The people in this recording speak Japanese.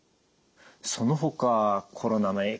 そのほかコロナの影響